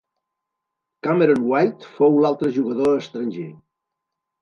Cameron White fou l'altre jugador estranger.